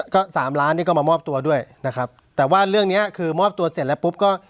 ก็สามล้านนี่ก็มามอบตัวด้วยนะครับแต่ว่าเรื่องเนี้ยคือมอบตัวเสร็จแล้วปุ๊บก็